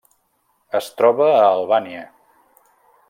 Es troba a Albània.